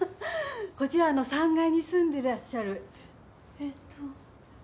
こちら３階に住んでらっしゃるえっと。